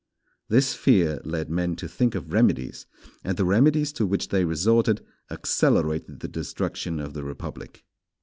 This fear led men to think of remedies, and the remedies to which they resorted accelerated the destruction of the republic.